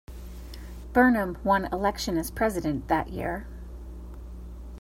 Burnham won election as president that year.